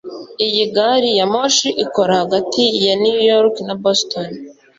Iyi gari ya moshi ikora hagati ya New York na Boston